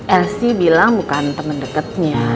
el sih bilang bukan temen deketnya